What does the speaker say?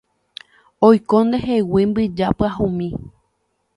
Oiko ndehegui mbyja pyahumi